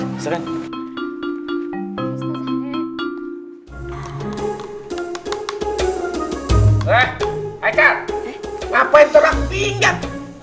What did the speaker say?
hei aikal kenapa itu orang tinggal